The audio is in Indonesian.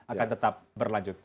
akan tetap berlanjut